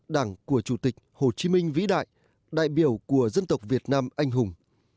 đảng của chủ tịch hồ chí minh vĩ đại đại biểu của dân tộc việt nam anh hùng